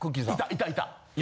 いたいた。